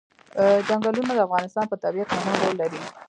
چنګلونه د افغانستان په طبیعت کې مهم رول لري.